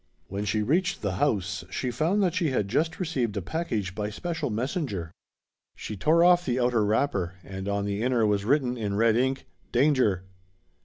When she reached the house she found that she had just received a package by special messenger. She tore off the outer wrapper and on the inner was written in red ink: "Danger."